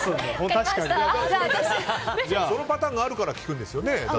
そのパターンがあるから聞くんですよね。